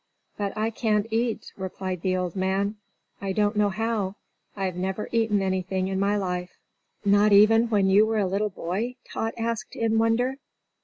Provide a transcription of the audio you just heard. "But I can't eat," replied the old man. "I don't know how. I've never eaten anything in my life." "Not even when you were a little boy?" Tot asked, in wonder.